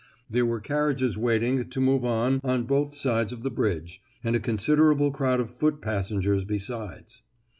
There were carriages waiting to move on on both sides of the bridge, and a considerable crowd of foot passengers besides.